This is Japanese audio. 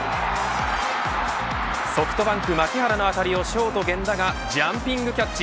ソフトバンク牧原の当たりをショート源田がジャンピングキャッチ。